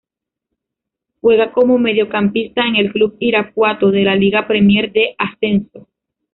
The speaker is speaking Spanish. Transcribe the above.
Juega como mediocampista en el Club Irapuato, de la Liga Premier de Ascenso.